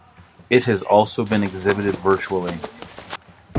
It has also been exhibited virtually.